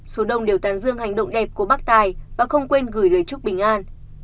số đông đều tàn dương hành động đẹp của bác tài và không quên gửi lời chúc bình an